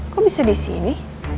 kok bisa di sini